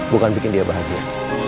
bukan bikin dia bahagia